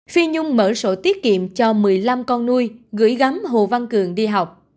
phi nhung mở sổ tiết kiệm cho một mươi năm con nuôi gửi gắm hồ văn cường đi học